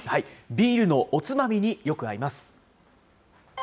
ビールのおつまみによく合います。